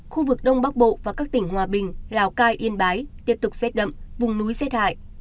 khu vực đông bắc bộ và các tỉnh hòa bình lào cai yên bái tiếp tục rét đậm vùng núi rét hại